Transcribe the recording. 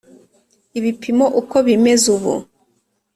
ibipimo uko bimeze ubu